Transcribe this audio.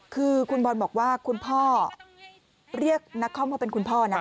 คือคุณบอลบอกว่าคุณพ่อเรียกนักคอมมาเป็นคุณพ่อนะ